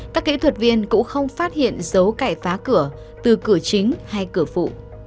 các kỹ thuật viên cũng không phát hiện dấu cải phá cửa từ cửa chính hay cửa phụ